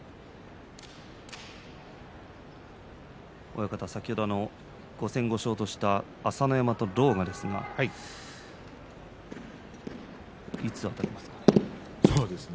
親方、先ほど５戦５勝とした朝乃山と狼雅ですがいつあたりますかね。